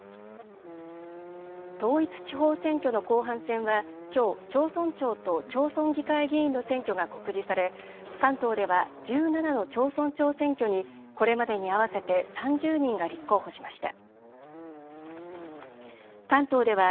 統一地方選挙の後半戦はきょう、町村長と町村議会議員の選挙が告示され関東では１７の町村長選挙にこれまでに合わせて３０人が立候補しました。